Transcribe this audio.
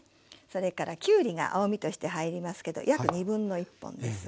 それからきゅうりが青みとして入りますけど約1/2本です。